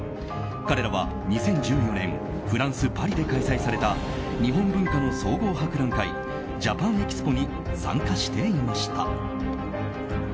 彼らは２０１４年フランス・パリで開催された日本文化の総合博覧会ＪａｐａｎＥｘｐｏに参加していました。